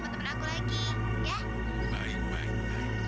baik baik baik